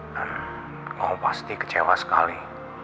kamu pasti kecewa sekali